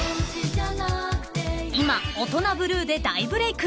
［今『オトナブルー』で大ブレーク］